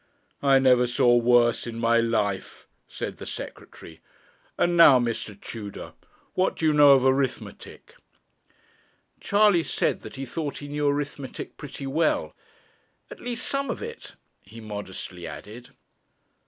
'I never saw worse in my life,' said the Secretary. 'And now, Mr. Tudor, what do you know of arithmetic?' Charley said that he thought he knew arithmetic pretty well; 'at least some of it,' he modestly added.